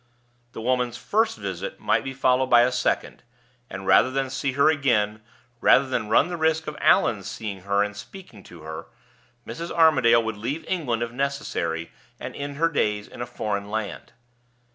The woman's first visit might be followed by a second; and rather than see her again, rather than run the risk of Allan's seeing her and speaking to her, Mrs. Armadale would leave England if necessary, and end her days in a foreign land.